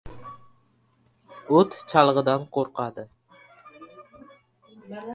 • O‘t chalg‘idan qo‘rqadi.